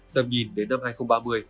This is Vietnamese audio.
tầm nhìn đến năm hai nghìn ba mươi